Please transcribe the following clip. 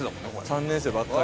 ３年生ばっかり。